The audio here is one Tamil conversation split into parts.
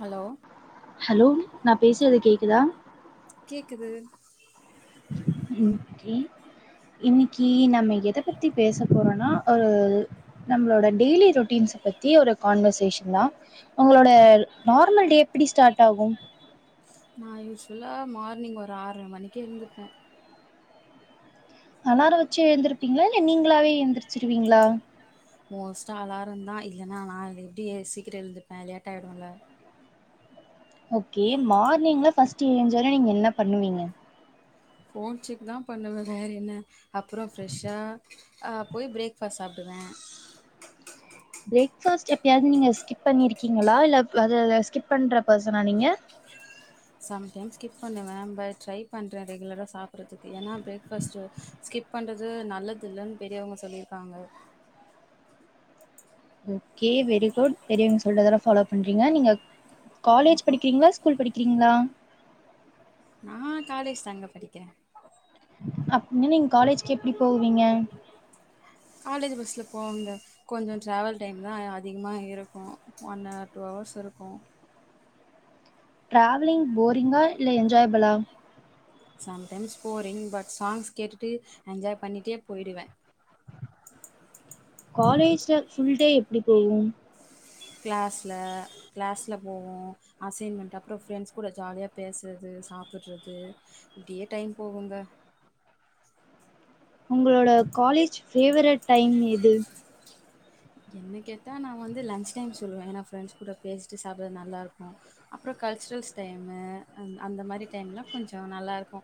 ஹலோ ஹலோ நா பேசுறது கேக்குதா கேக்குது உம் ஓகே இன்னிக்கி நம்ம எத பத்தி பேச போறோனா ஒரு நம்ளோட டெய்லி ரொட் டீன்ஸ் பத்தி ஒரு கான்வன்ஷேஷன் தா உங்ளோட நார்மல் டே எப்டி ஸ்டார்ட் ஆகு நா யூஸ்ஃபுல்லா மார்னிங் ஒரு ஆரற மணிக்கு எந்துப்பே அலாரே வெச்சு ஏந்துருப்பீங்ளா இல்ல நீங்ளாவே ஏந்திரிச்சிருவீங்ளா மோஸ்ட்டா அலாரந்தா இல்லன்னா நா எப்டியே சீக்கிரோ எழுதுருப்ப லேட்டாயிடுல்ல ஓகே மார்னிங்ல ஃபஸ்ட்டு ஏஞ் சொன்ன நீங்க என்ன பண்ணுவீங்க ஃபோன் செக் தா பண்ணுவ வேற என்ன அப்புறோ ஃப்ரெஷ்ஷா ஆ போய் பிரேக் ஃபாஸ்ட் சாப் டுவ பிரேக்ஃபாஸ்ட் எப்பயாது நீங்க ஸ்கிப் பண்ணிருக்கீங்ளா இல்ல அது அத ஸ்கிப் பண்ற போசனா நீங்க சம்டைம்ஸ் ஸ்கிப் பண்ணுவ பட் ட்ரை பண்ற ரெகுலரா சாப்புற்றதுக்கு ஏன்னா பிரேக்ஃபாஸ்ட்டு ஸ்கிப் பண்றது நல்லது இல்லன் பெரியவங்க சொல்லிருக்காங்க ஓகே வெரி குட் பெரியவங்க சொல்றதெல்லா ஃபாலோ பண்றீங்க நீங்க காலேஜ் படிக்கிறீங்ளாஸ் ஸ்கூல் படிக்கிறீங்ளா நா காலேஜ் தாங்க படிக்கிறே அப்டின்னா நீங்க காலேஜ்க்கு எப்டி போவீங்க காலேஜு பஸ்ல போவாங்க கொஞ்சோ ட்ராவல் டைம் தா அதிகமா இருக்கு ஒன் ஹார் டூ ஹவர்ஸ் இருக்கு டிராவலிங் போரிங்கா இல்ல என்ஜாய்பிளா சம்டைம்ஸ் போரிங் பட் சாங்ஸ் கேட்டுட்டு என்ஜாய் பண்ணிட்டே போய்டுவே காலேஜ்ல ஃபுல் டே எப்டி போவு கிளாஸ்ல கிளாஸ்ல போவோ அசைன்மெண்ட் அப்றோ ஃப்ரெண்ட்ஸ் கூட ஜாலியா பேசுறது சாப்புறது இப்டியே டைம் போகுங்க உங்ளோட காலேஜ் ஃபேவ்ரட் டைம் எது என்ன கேட்டா நா வந்து லஞ்ச் டைம் சொல்லுவே ஏன்னா ஃப்ரெண்ட்ஸ் கூட பேசிட்டு சாப்புறது நல்லா இருக்கு அப்றோ கல்ச்சுரல்ஸ் டைமு அந் அந்த மாரி டைம் லா கொஞ்சோ நல்லாருக்கு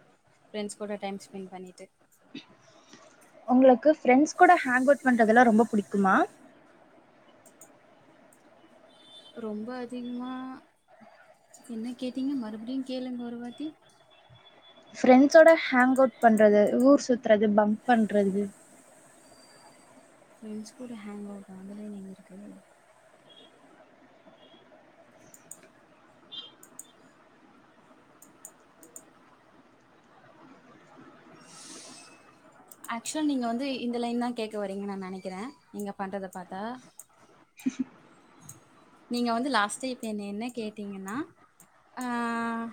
ப்ரெண்ஸ் கூட டைம் ஸ்பென்ட் பண்ணிட்டு உங்ளுக்கு ஃப்ரெண்ட்ஸ் கூட ஹேங் அவுட் பண்றதெல்லா ரொம்ப பிடிக்குமா ரொம்ப அதிக்மா என்ன கேட்டீங்க மறுடியு கேளுங்க ஒருவாட்டி ஃப்ரெண்ஸ்ஸோட ஹேங் அவுட் பண்றது ஊர் சுத்துறது பம்ப் பண்றது ஃப்ரெண்ட்ஸ் கூட ஹேங் அவுட் உங்க லைன் எங்க இருக்கு ஆக்சுவல்லா நீங்க வந்து இந்த லைன் தா கேக்க வரீங்கன் நா நெனைக்கிறே நீங்க பண்றத பாத்தா நீங்க வந்து லாஸ்ட்டா இப்ப என்ன என்ன கேட்டீங்கன்னா ஆஹ்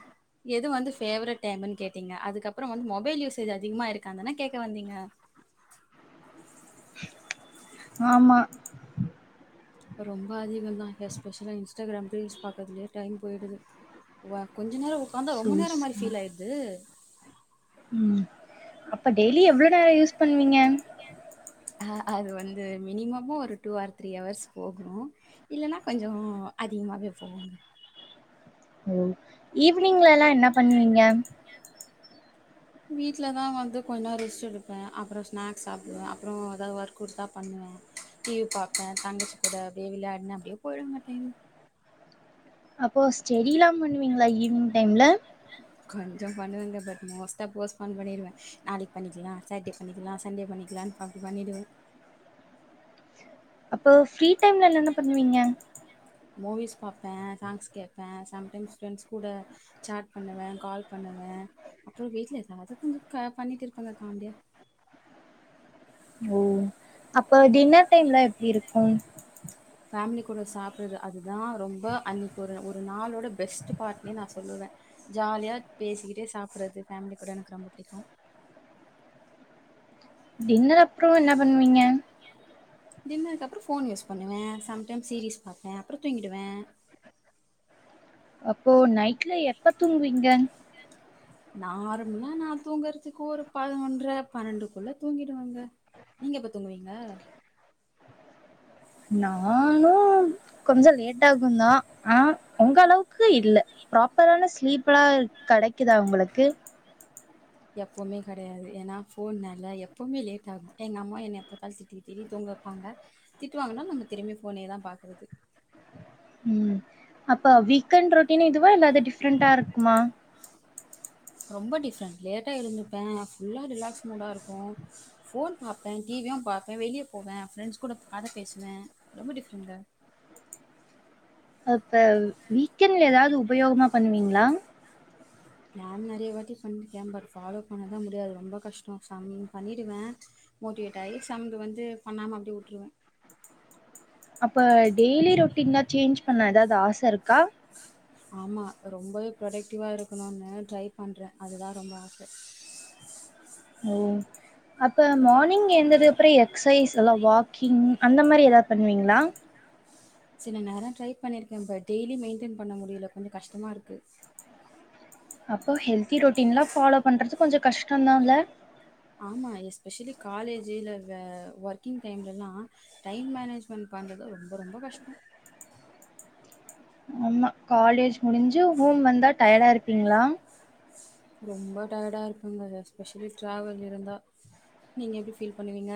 எது வந்து ஃபேவரட் டைம்ன்னு கேட்டீங்க அதுக்கப்றோ வந்து மொபைல் யூசேஜ் அதிக்மா இருக்கான் தானே கேக்க வந்தீங்க ஆமா இப்போ ரொம்ப அதிகோ தா எஸ்பெஷலா இன்ஸ்டாகிராம் ரீல்ஸ் பாக்றதுலேயே டைம் போயிடுது வா கொஞ்ச நேரோ உக்காந்தா சோ ரொம்ப நேரோ மாரி ஃபீல் ஆயிட்து உம் அப்ப டெய்லி எவ்ளோ நேரோ யூஸ் பண்ணுவீங்க அஹ் அது வந்து மினிமமு ஒரு டூ ஆர்ஸ் த்ரீ ஹவர்ஸ் போகுனு இல்லன்னா கொஞ்சோ அதிக்மாவே போவோங்க ஓ ஈவ்னிங்லல்லா என்ன பண்ணுவீங்க வீட்ல தா வந்து கொஞ்ச நேரோ ரெஸ்ட் எடுப்பே அப்புறோ ஸ்நாக்ஸ் சாப்டுவே அப்புறோ எதாவ்து வொர்க் குடுத்தா பண்ணுவே டிவி பாப்பே தங்கச்சி கூட அப்டியே விளையாடுனே அப்டியே போயிடுங்க டைம் அப்போ ஸ்டெடிலா பண்ணுவீங்களா ஈவினிங் டைம்ல கொஞ்சோ பண்ணுவேங்க பட் மோஸ்ட்டாக போஸ்ட்பான் பண்ணிடுவே நாளைக்கு பண்ணிக்கலா சாட்டர்டே பண்ணிக்கலா சண்டே பண்ணிக்கலான்னு அப்டி பண்ணிடுவே அப்போ ஃப்ரீ டைம்ல என்னென்ன பண்ணுவீங்க மூவிஸ் பாப்பே சாங்ஸ் கேப்பே சம்டைம்ஸ் ஃப்ரெண்ட்ஸ் கூட சாட் பண்ணுவே கால் பண்ணுவே அப்றோ வீட்ல எதாவ்து கொஞ்ச பண்ணிட்ருப்பங்க காமெடியா ஓ அப்ப டின்னர் டைம்ல எப்டி இருக்கும் ஃபேமிலி கூட சாப்பிட்றது அதுதான ரொம்ப அன்னைக்கு ஒரு ஒரு நாளோட பெஸ்ட்டு பார்ட்னே சொல்லுவே ஜாலியா பேசிக்கிட்டே சாப்பறது ஃபேமிலி கூட எனக்கு ரொம்ப புடிக்கு டின்னர் அப்றோ என்ன பண்ணுவீங்க டின்னருக்கு அப்புறோ ஃபோன் யூஸ் பண்ணுவே சம்டைம் சீரீஸ் பாப்பே அப்புறோ தூங்கிடுவே அப்போ நைட்ல எப்ப தூங்குவீங்க நார்மலா நா தூங்குறதுக்கு ஒரு பதினொன்ற பன்னெண்டுக்குள்ள தூங்கிடுவங்க நீங்க எப்ப தூங்குவீங்க நானு கொஞ்ச லேட் ஆகுந்தா ஆனா உங்களவுக்கு இல்ல ப்ராப்பரான ஸ்லீப்பலா கடைக்குதா உங்களுக்கு எப்பவுமே கெடையாது ஏனா போன்னால எப்பவ்மே லேட்டாகு எங்கம்மா என்னைய எப்ப பாத்தாலு திட்டி திட்டி தூங்கவப் பாங்க திட்டுவாங்கனா நம்ம திரும்மி போனேயே தா பாக்குறது ம் அப்ப வீக்கண்ட் ரொட்டின் இதுவா இல்ல அது டிஃப்ரென்டா இருக்குமா ரொம்ப டிஃப்ரெண்ட் லேட்டா எழுந்துப்பே ஃபுல்லா ரிலாக்ஸ் மூடா இருக்கு போன் பாப்பேன் டி வி யு பாப்பே வெளிய போவே ஃப்ரெண்ட்ஸ் கூட கத பேசுவே ரொம்ப டிஃப்ரெண்ட்டாரு அப்ப வீக்கெண்ட்ல எதாவ்து உபயோகமா பண்ணுவீங்களா ப்ளேன் நெறையா வாட்டி பண்ணிருக்கே பட் ஃபாலோ பண்ணதா முடியாது ரொம்ப கஷ்டோ சாமி பண்ணிடுவே மோட்டிவேட் ஆயி சம்து வந்து பண்ணாம அப்டியே விட்ருவே அப்ப டெய்லி ரொட்டீன்ல சேஞ்ச் பண்ண எதாவ்து ஆச இருக்கா ஆமா ரொம்பவே ப்ரொடக்டிவா இருக்கணுனு ட்ரை பண்றே அதுதா ரொம்ப ஆச ஓ அப்ப மார்னிங் எந்ததுக்கப்றோ எக்ஸசைஸ் இல்லா வாக்கிங் அந்த மாரி எதாவ்து பண்ணுவீங்ளா சில நேரோ டிரை பண்ணிருக்கே பட் டெய்லி மெயின்டென் பண்ண முடிய்ல கொஞ்ச கஷ்டமா இருக்கு அப்போ ஹெல்தி ரொட்டின்லா ஃபாலோ பண்றது கொஞ்ச கஷ்டந்தா இல்ல ஆமா எஸ்பெஷலி காலேஜ் இல்ல வே ஒர்க்கிங் டைம்லலா டைம் மேனேஜ்மெண்ட் பண்றது ரொம்ப ரொம்ப கஷ்டோ ஆமா காலேஜ் முடிஞ்சு ஹோம் வந்தா டயர்டா இருப்பீங்ளா ரொம்ப டயடா இருப்பங்க எஸ்பெஷலி டிராவல் இருந்தா நீங்க எப்டி ஃபீல் பண்ணுவீங்க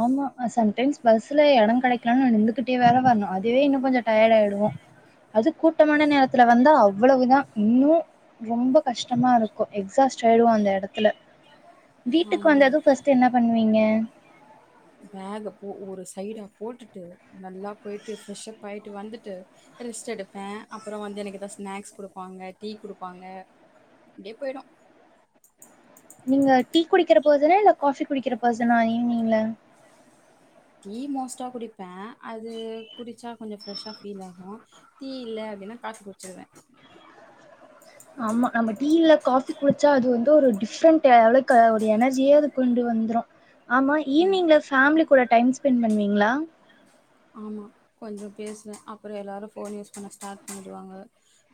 ஆமா சம்டைம்ஸ் பஸ்ல எடோ கெடைக்கலனா நா நின்னுகிட்டே வேற வர்ணு அதுவே இன்னு கொஞ்ச டயடாய்டுவோ அது கூட்டமான நேரத்துல வந்தா அவ்வளவுதா இன்னு ரொம்ப கஷ்டமா இருக்கு எக்ஸாஸ்ட்டாய்டுவோ அந்த எடத்துல வீட்டுக்கு ஆமாங்க. வந்தது ஃபஸ்ட்டு என்னா பண்ணுவீங்க பேக போ ஒரு சைடாக போட்டுட்டு நல்லா போயிட்டு ஃப்ரெஷ்ப்பாய்ட்டு வந்துட்டு ரெஸ்ட் எடுப்பே அப்றோ வந்து எனக்கு எதா ஸ்நாக்ஸ் குடுப்பாங்க டீ குடுப்பாங்க அப்டியே போய்டு நீங்க டீ குடிக்கிற பர்சனா இல்ல காஃபி குடிக்கிற பர்சனா ஈவ்னிங்ல டீ மோஸ்ட்டா குடிப்பே அது குடிச்சா கொஞ்சோ ஃப்ரெஷ்ஷா ஃபீல் ஆகு டீ இல்ல அப்டின்னா காஃபி குடிச்சிருவே ஆமா நம்ம டீ இல்ல காஃபி குலுச்சா அது வந்து ஒரு டிஃப்ரெண்ட்டே அளவுக்கு ஒரு எனர்ஜியே கொண்டு வந்துரும் ஆமா ஈவினிங்ல ஃபேமிலி கூட டைம் ஸ்பெண்ட் பண்ணுவீங்ளா ஆமா கொஞ்ச பேசுவே அப்றோ எல்லோரு போன் யூஸ் பண்ண ஸ்டாட் பண்ணிடுவாங்க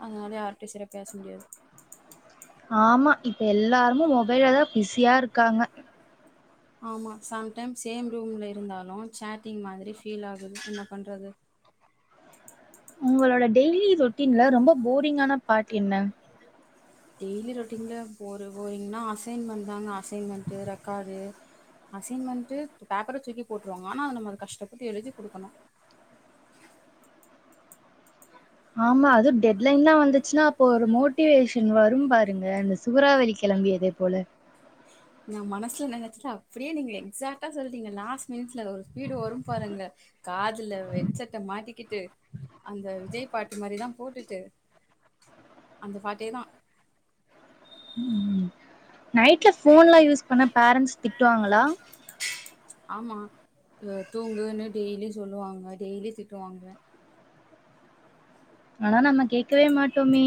அதனாலே யார்டையு செரியா பேச முடியாது ஆமா இப்ப எல்லாருமு மொபைல தா பிஸியா இருக்காங்க ஆமா சம்டைம்ஸ் சேம் ரூம்ல இருந்தாலு சேட்டிங் மாதிரி ஃபீல் ஆகுது என்ன பண்றது உங்களோட டெய்லி ரொட்டீன்ல ரொம்ப போரிங்கான பாட் என்ன டெய்லி ரொட்டீன்ல போரு போரிங்கன்னா அசைன்மெண்ட் தாங்க அசைன்மெண்ட் ரெக்காடு அசைன்மெண்ட் பேப்பர துக்கி போட்டுருவாங்க ஆனா நம்ம அத கஷ்டப்பட்டு எழுதி குடுக்கனு ஆமா அதுவு டெட் லைன்லா வந்திச்சின்னா அப்ப ஒரு மோட்டிவேஷன் வரு பாருங்க அந்த சூறாவளி கெளம்பியதைப் போல நா மனசில நெனச்சதா அப்பிடியே நீங்க எக்ஸாக்ட்டா சொல்டீங்க லாஸ் மினிட்ஸ் அத ஒரு ஸ்பீடு வரு பாருங்க காதுல வெட் செட்டா மாட்டிக்கிட்டு அந்த விஜய் பாட்டு மாரிதா போட்டுட்டு அந்த பாட்டோதா ம் நைட்ல ஃபோன்ல்லா யூஸ் பண்ண பேரன்ட்ஸ் திட்டுவாங்களா ஆமா த் தூங்குன்னு டெய்லி சொல்லுவாங்க டெய்லி திட்டுவாங்க ஆனா நம்ம கேட்கவே மாட்டோமே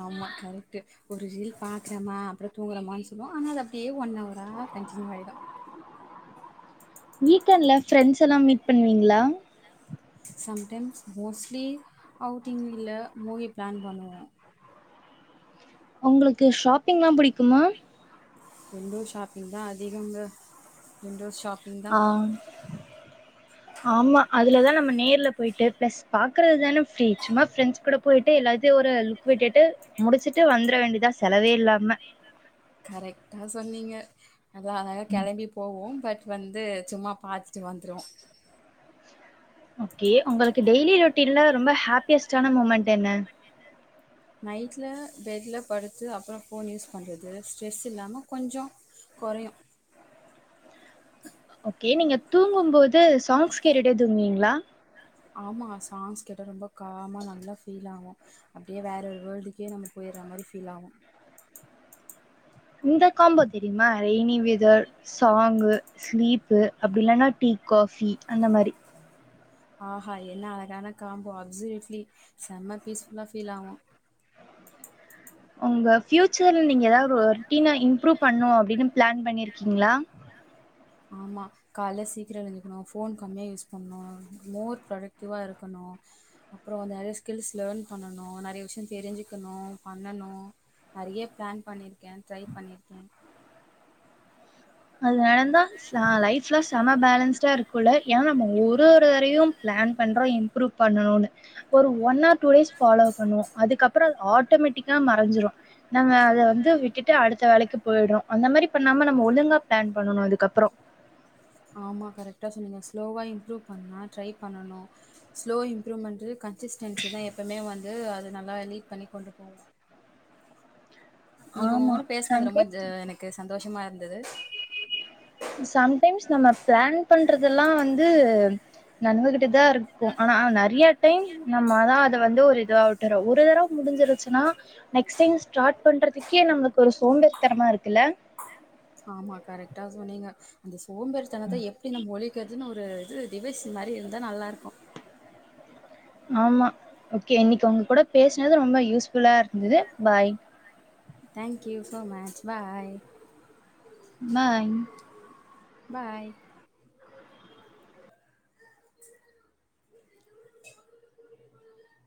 ஆமா கரெக்ட்டு ஒரு ரீல் பாக்கறமா அப்புறோ தூங்கறமான் சொல்லுவோ ஆனா அது அப்டியே ஒன் அவரா கண்டினியூ ஆயிடு வீக்கெண்ட்ல ஃப்ரெண்ஸ்ல்லா மீட் பண்வீங்களா சம்டைம்ஸ் மோஸ்லி அவுட்டிங்ல்ல மூவி பிளான் பண்ணுவோ உங்களுக்கு ஷாப்பிங்ல்லா புடிக்குமா விண்டோ ஷாப்பிங்தா அதிகங்க விண்டோ ஷாப் ஆ ஆமா அதிலதா நம் நேர்ல போயிட்டு பிளஸ் பாக்கறது தான ஃப்ரி சும்மா ஃப்ரெண்ட்ஸ் கூட போயிட்டு எல்லாத்தியு ஒரு லுக் க்விட்டுட்டு முடிச்சிட்டு வந்துர வேண்டிதா செலவே இல்லாம கரெக்டா சொன்னீங்க அதா [unintelligible] கெளம்பி போவோ பட் வந்து சும்மா பாத்துட்டு வந்துருவோ ஓகே உங்களுக்கு டெய்லி ரொட்டீன்ல ரொம்ப ஹாப்பியஸ்டான மூமெண்ட் என்ன நைட்ல பெட்லபடுத்து அப்புறோ ஃபோன் யூஸ் பண்றது ஸ்ட்ரெஸ் இல்லாம கொஞ்சே கொறையு கே நீங்க தூங்குபோது சாங்ஸ் கேட்டுடே தூங்குவீங்களா ஆமா சாங்ஸ் கேட்டா ரொம்ப காமா நல்லா ஃபீல் ஆவு அப்டியே வேற வேல்டுக்கே நம்ம போயிற மாரி ஃபீல் ஆவு இந்த காம்போ தெரியுமா ரெய்னிவெதர் சாங்கு ஸ்லீப்பு அப்பிடி இல்லன்னா டீ காஃபி அந்த மாரி ஆஹா என்ன அழகான காம்போ அப்சலிட்லி செம்ம பீஸ் ஃபுல்லா ஃபீல் ஆவு உங்க ஃப்யூச்சர்லா நீங்க எதாது ஒர்ட்டீனா இம்ப்ரூவ் பண்ணு அப்பிடின்னு பிளான் பண்ணியிர்க்கீங்களா ஆமா கால்ல சீக்கிரோ எழுஞ்சிக்கனு ஃபோன் கம்மியாக யூஸ் பண்ணு மோர் பிரொடக்டிவா இருக்கனு அப்புறோ நெறைய ஸ்கில்ஸ் லேன் பண்ணனு நெறைய விஷ்யோ தெரிஞ்சிக்கனு பண்ணனு நெறைய பிளான் பண்ணிர்க்கே ட்ரை பண்ணிர்க்கே அது நடந்தா சா லைஃப்லா செம பேலன்ஸ்டா இருக்குல்ல ஏனா நம்ம ஒரு ஒருதரயு பிளான் பண்றோ இம் புரூப் பண்ணனுன்னு ஒரு one or two days follow பண்ணுவோ அதுக்கப்புறோ ஆட்டமேட்டிக்கா மறஞ்சிரு நாங்க அத வந்து விட்டுட்டு அடுத்த வேலைக்கு போயிடுறோ அந்த மாரி பண்ணாம நம்ம ஒழுங்கா ஃப்ளான் பண்ணணு அதுக்கப்பறோ ஆமா கரெக்டா சொன்னீங்க ஸ்லோவா இம்ப்ரூவ் பண்ணா ட்ரை பண்ணணு ஸ்லோ இம்ப்ரூவ்மெண்ட்டு கன்சிஸ்டன்சி தா எப்பவுமே வந்து அத நல்லா லீட் பண்ணி கொண்டு போவோ இன்னைக்கு உங்க ஆமா கூட பேசுனது ரொம்ப எனக்கு சந்தோஷமா இருந்தது சம்டைடைம்ஸ் நம்ம பிளான் பண்றதெல்லா வந்து நட்ந்துகிட்டு தா இருக்கு ஆனா நெறைய டைம் நம்ம தா அத வந்து ஒரு இதுவா ஒரு தடவ முடிஞ்சிருச்சுனா நெக்ஸ்ட் டைம் ஸ்டார்ட் பண்றதுக்கே நம்புளுக்கு ஒரு சோம்பேரி தனமா இருக்குல்ல ஆமா கரெக்டா சொன்னீங்க அந்த சோம்பேரித்தனத்த எப் எப்டி நம்ம ஒழைக்கிறதுன்னு ஒரு இது டிவைஸ் மாரி இருந்தா நல்லா இருக்கு ஆமா ஓகே இன்னைக்கு உங்க கூட பேசினது ரொம்ப யூஸ்ஃபுல்லா இருந்தது bye thank you so much bye bye bye